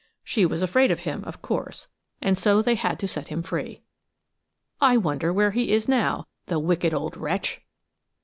She was afraid of him, of course, and so they had to set him free. I wonder where he is now, the wicked old wretch!